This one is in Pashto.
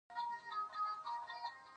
ورزش د بدن داخلي قوت زیاتوي.